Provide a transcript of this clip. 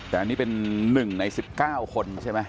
แต่อันนี้เป็น๑ใน๑๙คนใช่ไหม